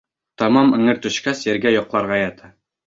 Тамам эңер төшкәс, ергә йоҡларға ята.